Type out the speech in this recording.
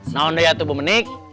siap pak rete